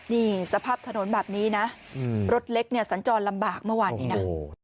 นี่สภาพถนนแบบนี้นะรถเล็กเนี่ยสัญจรลำบากเมื่อวานนี้นะ